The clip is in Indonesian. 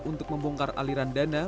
untuk membongkar aliran dana